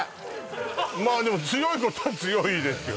まあでも強いことは強いですよ